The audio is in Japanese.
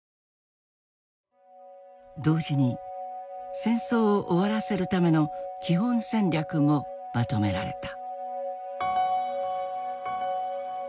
同時に戦争を終わらせるための基本戦略もまとめられた。